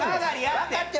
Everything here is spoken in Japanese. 分かってる。